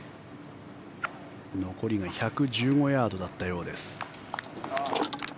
残りが１１５ヤードだったようです。